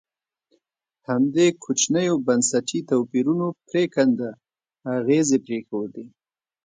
همدې کوچنیو بنسټي توپیرونو پرېکنده اغېزې پرېښودې.